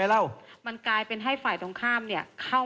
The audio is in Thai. สถานการณ์จะไม่ไปจนถึงขั้นนั้นครับ